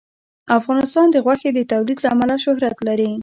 افغانستان د غوښې د تولید له امله شهرت لري.